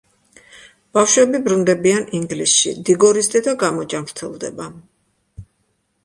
ბავშვები ბრუნდებიან ინგლისში, დიგორის დედა გამოჯანმრთელდება.